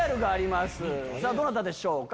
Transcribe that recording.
どなたでしょうか？